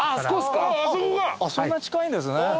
そんな近いんですね。